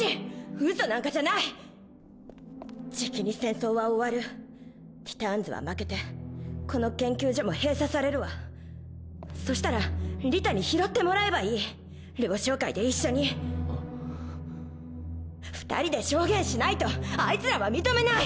嘘なんかじゃないじきに戦争は終わるティターンズは負けてこの研究所も閉鎖さそしたらリタに拾ってもらえばいい「ルオ商会」で一緒にあっ二人で証言しないとあいつらは認めない！